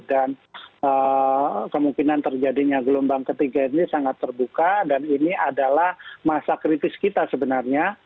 dan kemungkinan terjadinya gelombang ketiga ini sangat terbuka dan ini adalah masa kritis kita sebenarnya